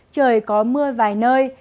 trời có mưa vài nơi